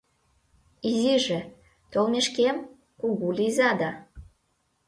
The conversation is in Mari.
Изиже, толмешкем, кугу лийза да